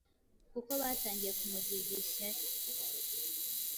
kuko batangiye kumugirira ishyari.